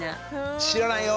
知らないよ！